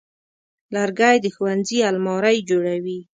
لرګی د ښوونځي المارۍ جوړوي.